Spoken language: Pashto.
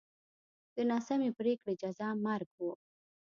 د ناسمې پرېکړې جزا مرګ و.